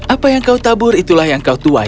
apa yang kau tabur itulah yang kau tuai